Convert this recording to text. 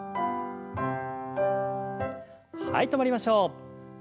はい止まりましょう。